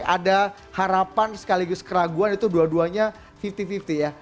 ada harapan sekaligus keraguan itu dua duanya lima puluh lima puluh ya